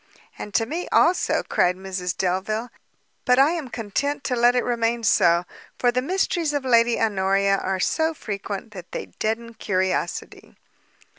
"And to me also," cried Mrs Delvile, "but I am content to let it remain so; for the mysteries of Lady Honoria are so frequent, that they deaden curiosity."